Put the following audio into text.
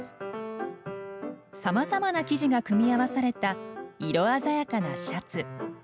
さまざまな生地が組み合わされた色鮮やかなシャツ。